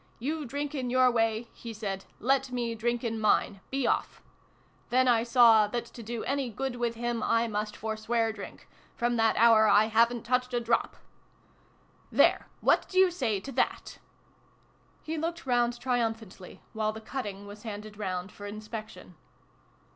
' You drink in your way ] he said: ''let me drink in mine. Be off !' Then 1 saw that, to do any good with him, I must forswear drink. From that hour I haven t touched a drop !"" There ! What do you say to that ?" He looked round triumphantly, while the cutting was handed round for inspection.